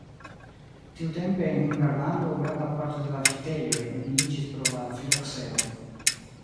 Tiutempe en Hungarlando granda parto de la vitejoj neniiĝis pro la filokseroj.